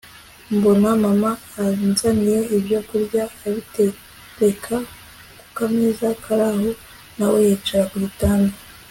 mbona mama anzaniye ibyo kurya abitereka kukameza karaho nawe yicara kugitanda